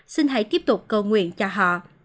xin hãy tiếp tục cầu nguyện cho họ